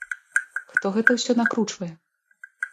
Хто гэта ўсё накручвае?